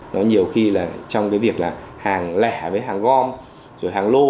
nó nhiều khi là trong cái việc là hàng lẻ với hàng gom rồi hàng lô